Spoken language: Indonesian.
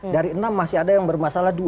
dari enam masih ada yang bermasalah